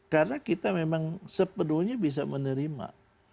karena kita memang sepenuhnya bisa menerima